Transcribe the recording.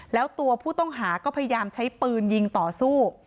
แล้วตัวผู้ต้องหาก็พยายามใช้ปืนยิงต่อสู้